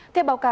theo báo cáo